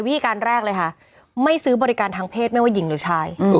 วิธีการแรกเลยค่ะไม่ซื้อบริการทางเพศไม่ว่าหญิงหรือชาย